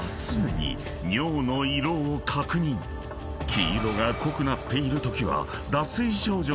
［黄色が濃くなっているときは］